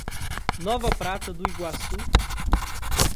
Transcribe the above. Nova Prata do Iguaçu